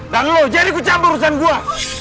dan lo jadi kucamber urusan gue